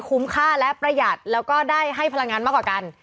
คุ้มค่าและประหยัดแล้วก็ได้ให้พลังงานมากกว่ากัน